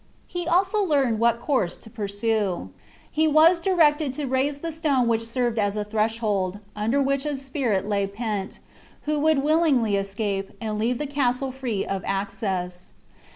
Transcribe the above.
He also learned what course to pursue. He was directed to raise the stone which served as a threshold, under which a spirit lay pent, who would willingly escape, and leave the castle free of access.